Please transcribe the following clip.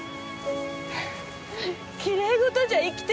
きれい事じゃ生きていけない。